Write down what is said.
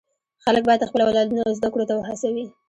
خلک باید خپل اولادونه و زده کړو ته و هڅوي.